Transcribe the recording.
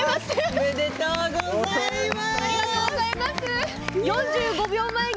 おめでとうございます。